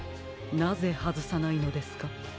なぜはずさないのですか？